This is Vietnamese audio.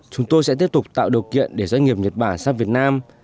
chúng tôi sẽ tiếp tục tạo điều kiện để doanh nghiệp nhật bản sang việt nam